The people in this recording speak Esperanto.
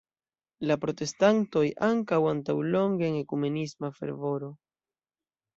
La protestantoj ankaŭ antaŭlonge en ekumenisma fervoro.